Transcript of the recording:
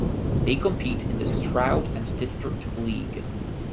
They compete in the Stroud and District League.